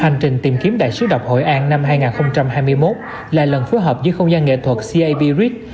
hành trình tìm kiếm đại sứ đọc hội an năm hai nghìn hai mươi một là lần phối hợp với không gian nghệ thuật cabrid